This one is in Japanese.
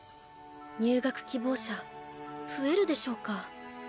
入学希望者増えるでしょうか？